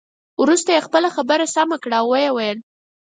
وروسته یې خپله خبره سمه کړه او ويې ویل.